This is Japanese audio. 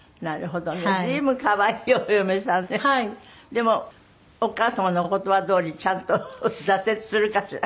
でもお母様のお言葉どおりちゃんと挫折するかしら。